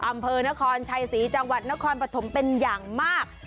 อำเภอนครชัยศรีจังหวัดนครปฐมเป็นอย่างมาก